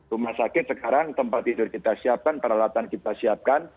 rumah sakit sekarang tempat tidur kita siapkan peralatan kita siapkan